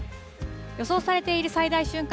予想されている最大瞬間